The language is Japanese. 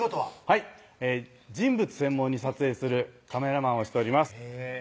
はい人物専門に撮影するカメラマンをしております